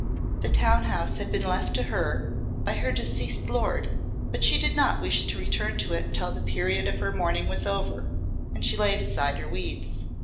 The town house had been left to her by her deceased lord, but she did not wish to return to it until the period of her mourning was over and she laid aside her weeds.